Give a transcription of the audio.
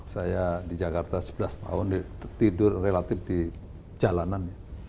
saya di jakarta sebelas tahun tidur relatif di jalanan